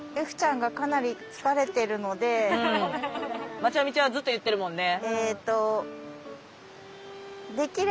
まちゃみちゃんはずっと言ってるもんね。